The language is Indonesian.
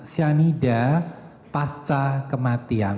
sianida pasca kematian